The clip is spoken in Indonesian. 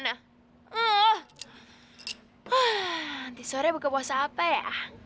ah nanti sore buka puasa apa ya